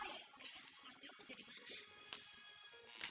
oh ya sekarang mas dewo mau jadi mana